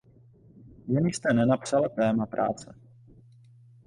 Jen jste nenapsala téma práce.